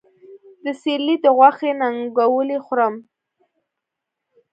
د سېرلي د غوښې ننګولی خورم